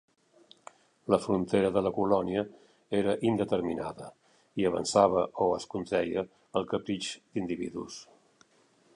La frontera de la colònia era indeterminada i avançava o es contreia al capritx d'individus.